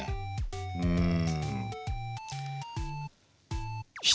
うん。